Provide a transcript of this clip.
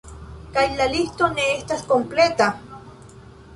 Kaj la listo ne estas kompleta!